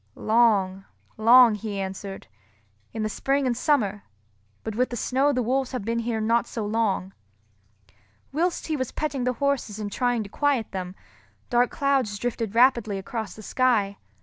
"Long, long," he answered, "in the spring and summer; but with the snow the wolves have been here not so long." Whilst he was petting the horses and trying to quiet them, dark clouds drifted rapidly across the sky.